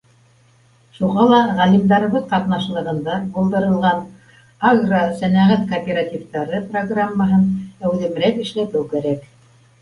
Шуға ла ғалимдарыбыҙ ҡатнашлығында булдырылған агросәнәғәт кооперативтары программаһын әүҙемерәк эшләтеү кәрәк.